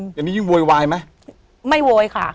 เดี๋ยวนี้ยิ่งโวยวายไหมไม่โวยค่ะ